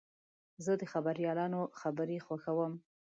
زه د خبریالانو خبرې خوښوم.